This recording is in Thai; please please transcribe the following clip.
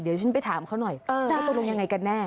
เดี๋ยวฉันไปถามเขาหน่อยว่าตกลงยังไงกันแน่